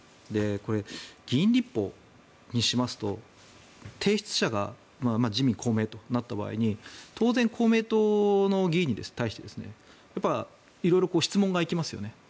これ議員立法にしますと提出者が自民・公明となった場合に当然、公明党の議員に対して色々、質問が行きますよね。